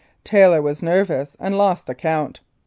Taylor was nervous and lost the count.